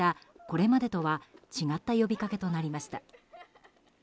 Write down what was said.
これまでとは違った呼びかけとなりました。